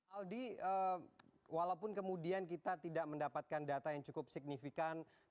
aldi walaupun kemudian kita tidak mendapatkan data yang cukup signifikan